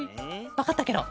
わかったケロ。